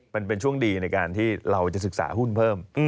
มันเป็นช่วงดีในการที่เราจะศึกษาหุ้นเพิ่ม